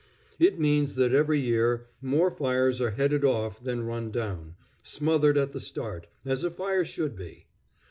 It means that every year more fires are headed off than run down smothered at the start, as a fire should be.